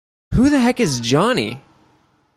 Who the heck is Johnny?!